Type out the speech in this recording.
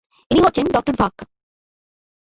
ইনি হচ্ছেন ডঃ ভাক।